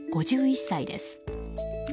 ５１歳です。